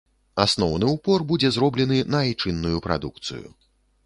Асноўны ўпор будзе зроблены на айчынную прадукцыю.